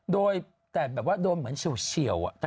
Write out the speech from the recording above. โดยแต่แบบว่าโดนเหมือนเฉียวเฉียวอ่ะ